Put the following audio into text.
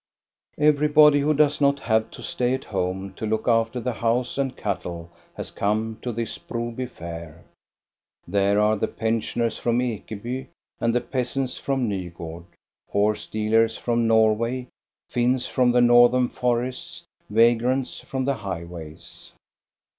Everybody who does not have to stay at home to look after the house and cattle has come to this Broby Fair. There are the pensioners from Ekeby and the peasants from NygSrd, horse dealers from Norway, Finns from the Northern forests, vagrants from the highways.